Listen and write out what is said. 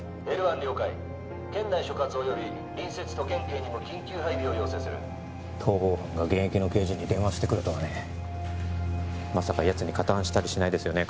Ｌ１了解県内所轄および隣接都県警にも緊急配備を要請する逃亡犯が現役の刑事に電話してくるとはねまさかやつに加担したりしないですよね？